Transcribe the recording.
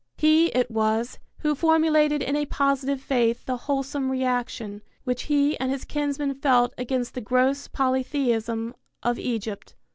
He it was who formulated in a positive faith the wholesome reaction, which he and his kinsmen felt against the gross polytheism of Egypt.